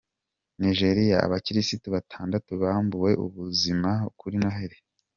Nigeriya Abakirisitu batandatu bambuwe ubuzima kuri Noheli